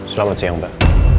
selamat siang mbak